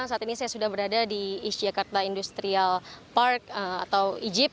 saat ini saya sudah berada di east jakarta industrial park atau ijip